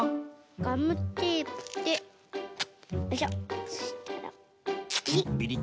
ガムテープでよいしょビリッ。